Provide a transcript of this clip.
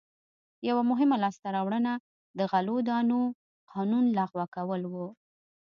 یوه مهمه لاسته راوړنه د غلو دانو قانون لغوه کول و.